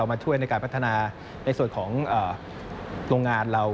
มาช่วยในการพัฒนาในส่วนของโรงงานเรา